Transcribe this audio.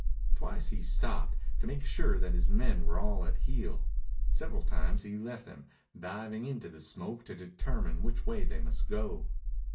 Twice he stopped, to make sure that his men were all at heel. Several times he left them, diving into the smoke to determine which way they must go.